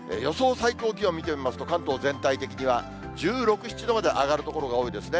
最高気温を見てみますと、関東全体的には１６、７度まで上がる所が多いですね。